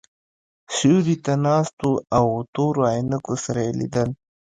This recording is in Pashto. سیوري ته ناست وو او تورو عینکو سره یې لیدل.